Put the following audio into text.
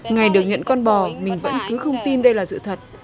ngày được nhận con bò mình vẫn cứ không tin đây là sự thật